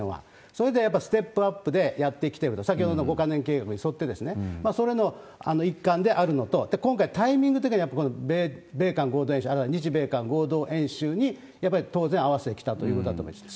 それでやっぱりステップアップでやってきてる、先ほどの５か年計画に沿ってそれの一環であるのと、今回、タイミング的には、やっぱ米韓合同演習、あとは日米韓合同演習に、やっぱり当然合わせてきたということだと思います。